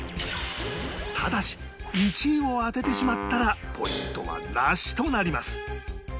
ただし１位を当ててしまったらポイントはなしとなります